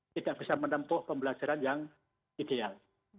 tidak bisa menempuh pembelajaran yang ideal